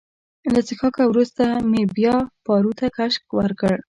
له څښاکه وروسته مې بیا پارو ته کش ورکړ.